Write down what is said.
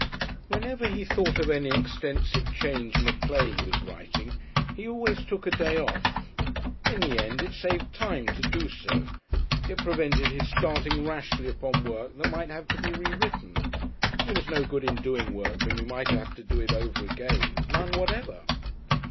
Whenever he thought of any extensive change in a play he was writing he always took a day off. In the end it saved time to do so. It prevented his starting rashly upon work that might have to be rewritten. There was no good in doing work when you might have to do it over again, none whatever.